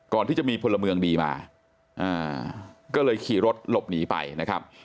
ก่อนที่จะมีพลเมืองดีมาก็เลยขี่รถหลบหนีไปนะครับ